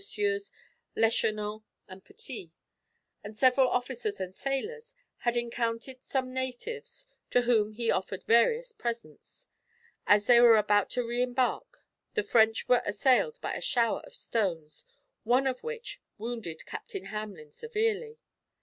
Leschenant and Petit, and several officers and sailors, had encountered some natives, to whom he offered various presents. As they were about to re embark the French were assailed by a shower of stones, one of which wounded Captain Hamelin severely.